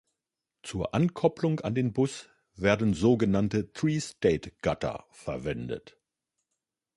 Zur Ankopplung an den Bus werden sogenannte Tristate-Gatter verwendet.